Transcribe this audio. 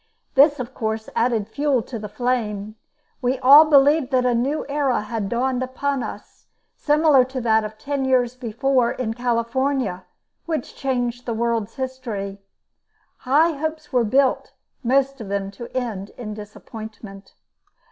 This of course, added fuel to the flame. We all believed a new era had dawned upon us, similar to that of ten years before in California, which changed the world's history. High hopes were built, most of them to end in disappointment.